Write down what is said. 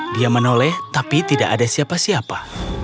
dia menoleh tapi tidak ada siapa siapa